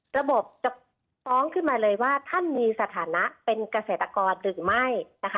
ระบบจะฟ้องขึ้นมาเลยว่าท่านมีสถานะเป็นเกษตรกรหรือไม่นะคะ